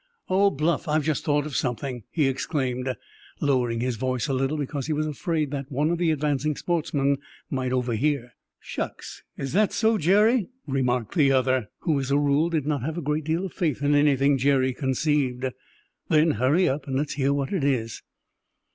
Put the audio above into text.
"Oh, Bluff, I've just thought of something!" he exclaimed, lowering his voice a little, because he was afraid that one of the advancing sportsmen might overhear. "Shucks! Is that so, Jerry," remarked the other, who as a rule did not have a great deal of faith in anything Jerry conceived. "Then hurry up and let's hear what it is."